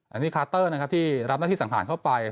อันนี้คาเตอร์นะครับที่รับหน้าที่สังหารเข้าไป